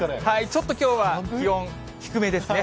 ちょっときょうは気温、低めですね。